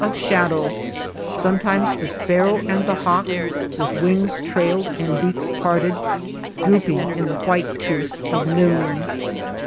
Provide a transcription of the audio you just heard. ■' THE LAND OF LITTLE RAIN shadow ; sometimes the sparrow and the hawk, with wings trailed and beaks parted, drooping in the white truce of noon.